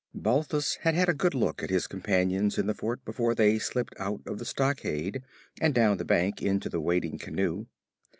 Balthus had had a good look at his companions in the fort before they slipped out of the stockade and down the bank into the waiting canoe.